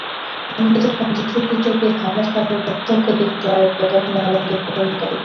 আমরা যখন যীশুখ্রীষ্টকে সামনাসামনি প্রত্যক্ষ দেখিতে পাইব, তখনই আমাদের পূর্ণতার উপলব্ধি হইবে।